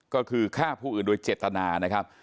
ก็คือฆ่าผู้อื่นโดยเจตนานะครับ